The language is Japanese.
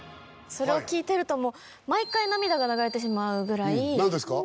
それを聴いてるともう毎回涙が流れてしまうぐらい何ですか？